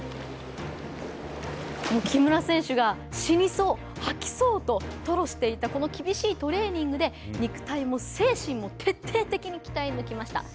木村選手が死にそう、吐きそうと吐露していた厳しいトレーニングで肉体も精神も徹底的に鍛え抜きました。